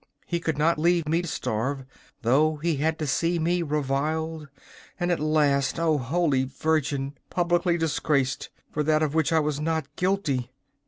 He could not leave me to starve, though he had to see me reviled, and at last, O Holy Virgin! publicly disgraced for that of which I was not guilty.